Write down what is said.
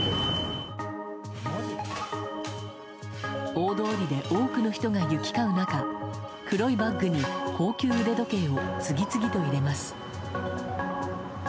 大通りで多くの人が行き交う中黒いバッグに高級腕時計を次々と入れます。